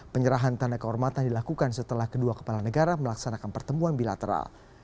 penyerahan tanda kehormatan dilakukan setelah kedua kepala negara melaksanakan pertemuan bilateral